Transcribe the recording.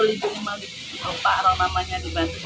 betul ibu mau lupa kalau namanya dibantu